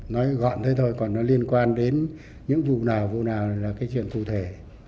nói gọn thôi thôi còn nó liên quan đến những vụ nào vụ nào là chuyện cụ thể